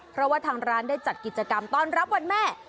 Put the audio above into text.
เพราะว่าทางร้านได้จัดกิจกรรมต้อนรับวันแม่